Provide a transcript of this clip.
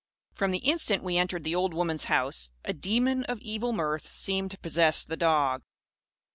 From the instant we entered the old woman's house, a demon of evil mirth seemed to possess the dog.